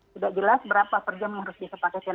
tidak jelas berapa per jam yang harus disepakai